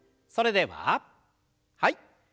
それでははい。